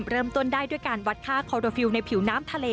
เริ่มต้นได้ด้วยการวัดค่าคอโดฟิลลในผิวน้ำทะเล